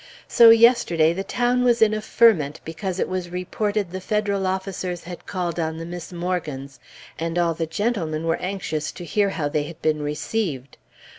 So yesterday the town was in a ferment because it was reported the Federal officers had called on the Miss Morgans, and all the gentlemen were anxious to hear how they had been received.